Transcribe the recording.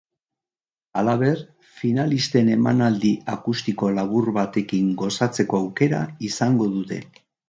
Halaber, finalisten emanaldi akustiko labur batekin gozatzeko aukera izango dute.